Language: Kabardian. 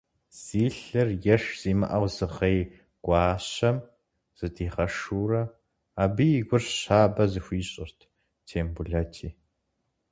Зи лӏыр еш зимыӏэу зыгъей Гуащэм зыдигъэшурэ, абы и гур щабэ зыхуищӏырт Тембулэти.